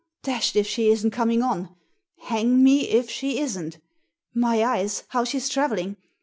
Dashed if she isn't coming on; hang me if she isn't! My eyes, how she's travelling!